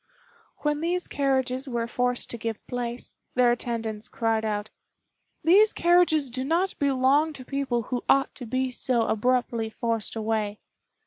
When these carriages were forced to give place, their attendants cried out, "These carriages do not belong to people who ought to be so abruptly forced away."